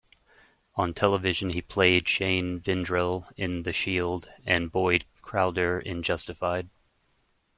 On television, he played Shane Vendrell in "The Shield" and Boyd Crowder in "Justified".